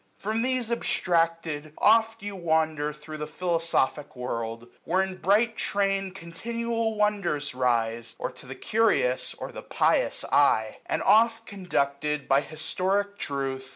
From these abstracted, oft You wander thro' the philosophic world ; 920 Where in bright train continual wonders rise, Or to the curious or the pious eye. F 2 36 S P R I N^ G. And oft, conducted by historic truth.